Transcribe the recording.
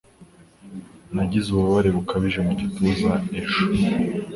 Nagize ububabare bukabije mu gituza ejo.